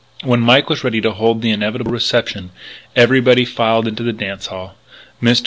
When Mike was ready to hold the inevitable reception everybody filed into the dance hall. Mr.